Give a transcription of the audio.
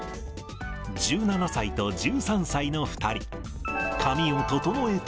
１７歳と１３歳の２人。